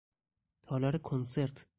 تالار کنسرت